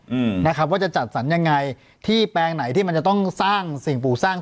อืมนะครับว่าจะจัดสรรยังไงที่แปลงไหนที่มันจะต้องสร้างสิ่งปู่สร้าง